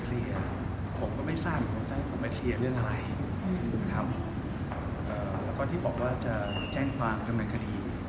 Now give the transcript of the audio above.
แล้วก็ที่บอกว่าจะแจ้งความดำเนินคดี